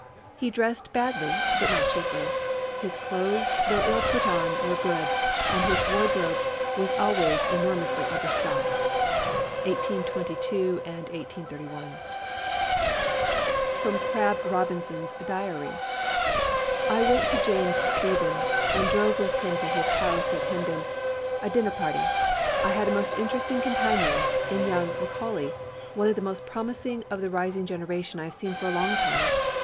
He dressed badly, but not cheaply. His clothes, though ill put on, were good, and his wardrobe was always enormously overstocked." 1822 and 1831. [Sidenote: Crabb Robinson's Diary.] "I went to James Stephen, and drove with him to his house at Hendon. A dinner party. I had a most interesting companion in young Macaulay, one of the most promising of the rising generation I have seen for a long time.